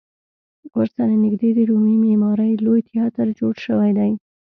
ورسره نږدې د رومي معمارۍ لوی تیاتر جوړ شوی دی.